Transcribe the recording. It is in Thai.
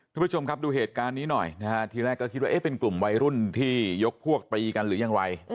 ทุกผู้ชมครับดูเหตุการณ์นี้หน่อยนะฮะทีแรกก็คิดว่าเอ๊ะเป็นกลุ่มวัยรุ่นที่ยกพวกตีกันหรือยังไร